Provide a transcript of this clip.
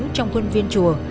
trong khuôn viên chùa